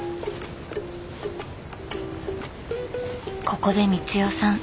ここで光代さん。